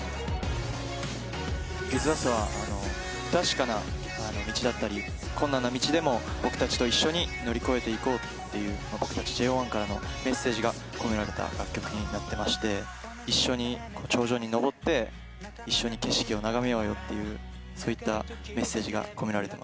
『ＷｉｔｈＵｓ』は不確かな道だったり困難な道でも僕たちと一緒に乗り越えていこうっていう僕たちＪＯ１からのメッセージが込められた楽曲になってまして一緒に頂上に登って一緒に景色を眺めようよというそういったメッセージが込められてます。